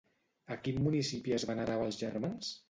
A quin municipi es venerava els germans?